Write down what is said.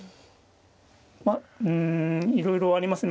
うんいろいろありますね。